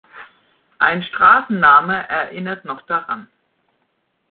Ein Straßenname erinnert noch daran.